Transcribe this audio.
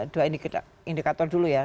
dua indikator dulu ya